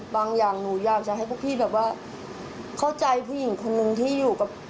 อย่างหนูอยากจะให้พวกพี่แบบว่าเข้าใจผู้หญิงคนนึงที่อยู่กับ